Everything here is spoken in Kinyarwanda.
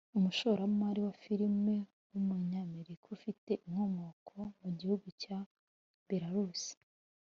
umushoramari wa filime w’umunyamerika ufite inkomoko mu gihugu cya Belarus